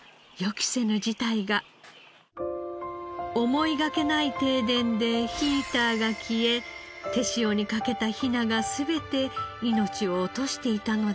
思いがけない停電でヒーターが消え手塩にかけたヒナが全て命を落としていたのです。